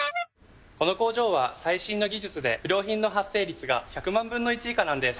この工場は最新の技術で不良品の発生率が１００万分の１以下なんです。